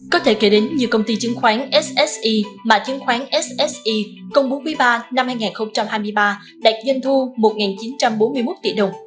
có thể kể đến nhiều công ty chứng khoán sse mà chứng khoán sse công bố quý ba năm hai nghìn hai mươi ba đạt doanh thu một chín trăm bốn mươi một tỷ đồng